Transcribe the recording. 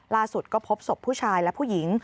ล่าสุดก็พบศพผู้ชายและผู้หญิง